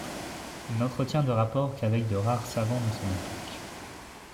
Il n'entretient de rapports qu'avec de rares savants de son époque.